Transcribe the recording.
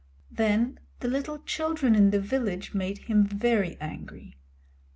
Then the little children in the village made him very angry.